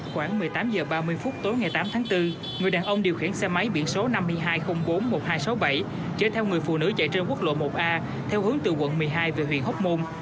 khoảng một mươi tám h ba mươi phút tối ngày tám tháng bốn người đàn ông điều khiển xe máy biển số năm nghìn hai trăm linh bốn một nghìn hai trăm sáu mươi bảy chở theo người phụ nữ chạy trên quốc lộ một a theo hướng từ quận một mươi hai về huyện hóc môn